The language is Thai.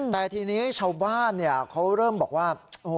แต่ทีนี้ชาวบ้านเขาเริ่มบอกว่า